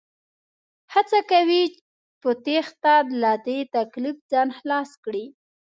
هڅه کوي په تېښته له دې تکليف ځان خلاص کړي